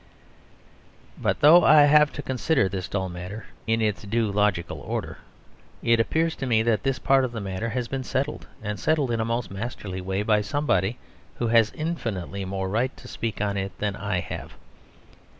But though I have to consider this dull matter in its due logical order, it appears to me that this part of the matter has been settled, and settled in a most masterly way, by somebody who has infinitely more right to speak on it than I have.